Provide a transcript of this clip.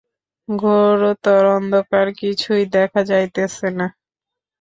ঘোরতর অন্ধকার– কিছুই দেখা যাইতেছে না।